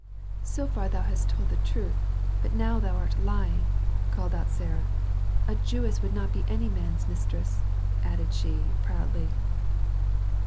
"So far thou hast told the truth, but now thou art lying," called out Sarah. "A Jewess would not be any man's mistress," added she, proudly.